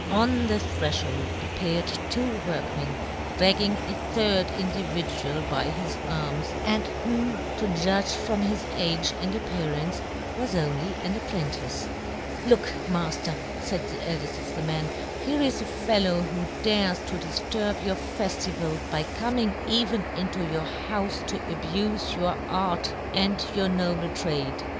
On the threfhold ap peared two workmen, dragging a third individual by his arms, and who, to judge from his age and ap pearance, was only an apprentice ; 1 6 yohn Gutenberg. " Look, mafter,"faid the eldeft of the men, " here is a fellow who dares to " difturb your feftival by coming " even into your houfe to abufe your " art, and your noble trade."